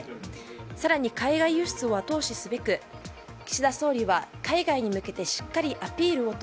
更に、海外輸出を後押しすべく岸田総理は海外に向けてしっかりアピールをと